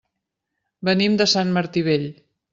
Venim de Sant Martí Vell.